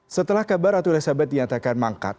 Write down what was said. setelah kabar ratu elizabeth dinyatakan mangkat